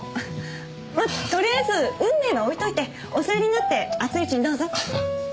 まとりあえず運命は置いといてお座りになって熱いうちにどうぞ。